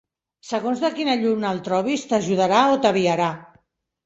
Segons de quina lluna el trobis t'ajudarà o t'aviarà.